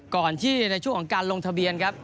ก่อนที่ในช่วงของการลงทะเบียนครับ